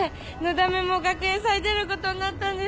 だめも学園祭出ることになったんです。